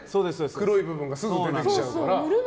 黒い部分がすぐ出てきちゃうから。